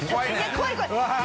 怖い怖い！